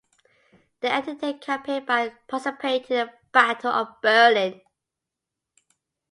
They ended their campaign by participating in the Battle of Berlin.